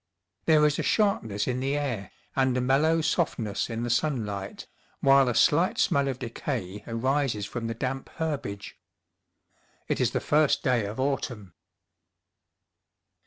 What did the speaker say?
There is a sharpness in the air and a mellow softness in the sun light, while a slight smell of decay arises from the damp herbage. It is the first day of autumn.